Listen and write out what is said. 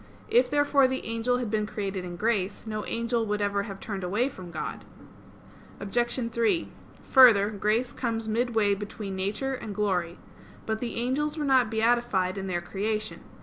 If, therefore, the angel had been created in grace, no angel would ever have turned away from God. Obj. 3: Further, grace comes midway between nature and glory. But the angels were not beatified in their creation.